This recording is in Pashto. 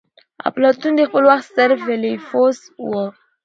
اپلاتون د خپل وخت ستر فيلسوف وو.